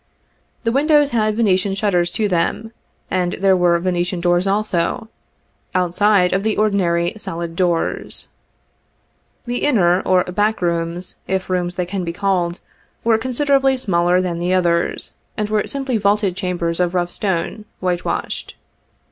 The windows had Venetian shutters to them, and there were Venetian doors also, outside of the ordinary 12 solid doors. The inner, or back rooms, if rooms they can be called, were considerably smaller than the others, and were simply vaulted chambers of rough stone, whitewashed.